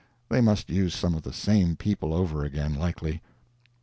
They must use some of the same people over again, likely.